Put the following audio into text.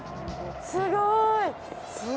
すごい。